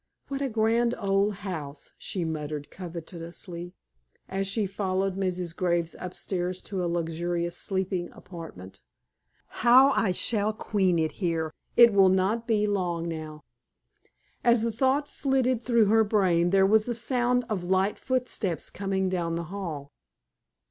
"What a grand old house!" she murmured, covetously, as she followed Mrs. Graves upstairs to a luxurious sleeping apartment. "How I shall queen it here! It will not be long now." As the thought flitted through her brain, there was the sound of light footsteps coming down the hall.